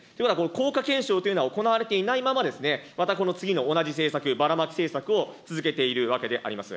効果検証というのは行われていないまま、またこの次の同じ政策、バラマキ政策を続けているわけであります。